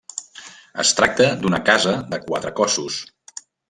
Es tracta d'una casa de quatre cossos.